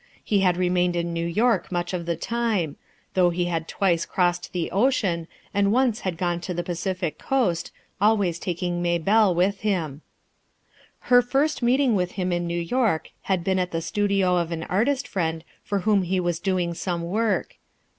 He had remained in New York much of the time; though he had twice crossed the ocean, and once had gone to the Pacific coast, always taking Maybelle with him FOR MAYBELLE'S SAKE 2 ll Her first meeting with him in New York had been at the studio of an artist friend for whom he was doing some work.